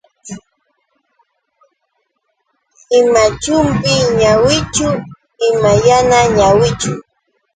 Ima chumpi ñawichu, ima yana ñawichu.